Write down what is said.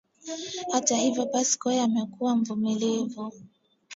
Hata hivyo Pascoe amekuwa mvumilivu